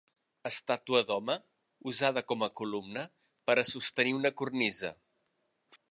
Estàtua d'home usada com a columna per a sostenir una cornisa.